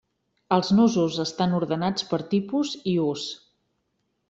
Els nusos estan ordenats per tipus i ús.